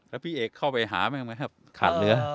แล้วพี่เอกเข้าไปหาไหมครับขาดเหลือ